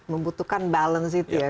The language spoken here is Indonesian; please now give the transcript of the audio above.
membutuhkan balance itu ya